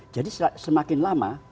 jadi semakin lama